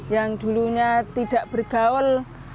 yang dulunya tidak bergaul